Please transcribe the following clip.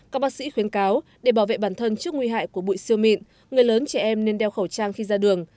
các bác sĩ khuyến cáo để bảo vệ bản thân trước nguy hại của bụi siêu mịn người lớn trẻ em nên đeo khẩu trang khi ra đường